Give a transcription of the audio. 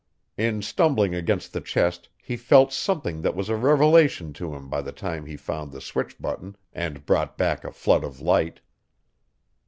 In stumbling against the chest he felt something that was a revelation to him by the time he found the switch button and brought back a flood of light.